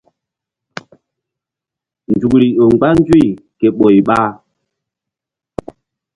Nzukri ƴo mgba nzuy ke ɓoy ɓa.